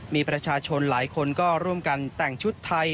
มีประชาชนหลายคนก็ร่วมกันแต่งชุดไทย